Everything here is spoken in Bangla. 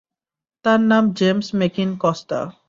তার নাম জেমস মেকিন কস্তা।